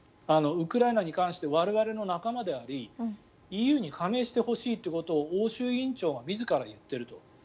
ウクライナに関して我々の仲間でありＥＵに加盟してほしいということを欧州委員長が自ら言っていると。